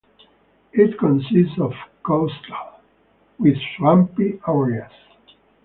It consists of coastal with swampy areas.